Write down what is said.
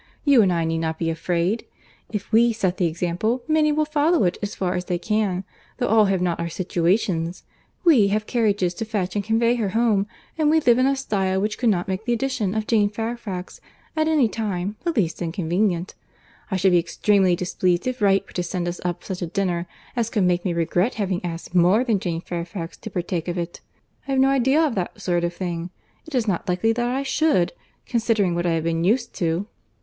You and I need not be afraid. If we set the example, many will follow it as far as they can; though all have not our situations. We have carriages to fetch and convey her home, and we live in a style which could not make the addition of Jane Fairfax, at any time, the least inconvenient.—I should be extremely displeased if Wright were to send us up such a dinner, as could make me regret having asked more than Jane Fairfax to partake of it. I have no idea of that sort of thing. It is not likely that I should, considering what I have been used to.